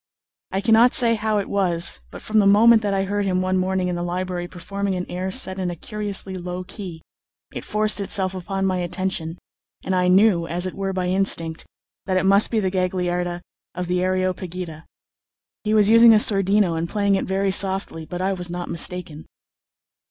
I cannot say how it was; but from the moment that I heard him one morning in the library performing an air set in a curiously low key, it forced itself upon my attention, and I knew, as it were by instinct, that it must be the Gagliarda of the "Areopagita." He was using a sordino and playing it very softly; but I was not mistaken.